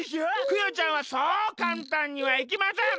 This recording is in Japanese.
クヨちゃんはそうかんたんにはいきません。